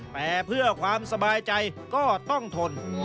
แต่เพื่อความสบายใจก็ต้องทน